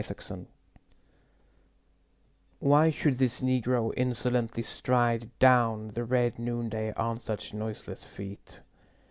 AUGUST Why should this Negro insolently stride Down the red noonday on such noiseless feet?